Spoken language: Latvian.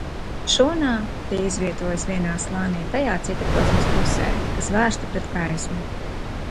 Šūnā tie izvietojas vienā slānī tajā citoplazmas pusē, kas vērsta pret gaismu.